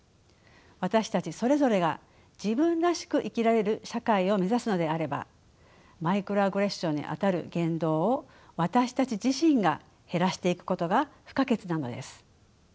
私たちそれぞれが自分らしく生きられる社会を目指すのであればマイクロアグレッションにあたる言動を私たち自身が減らしていくことが不可欠なのです。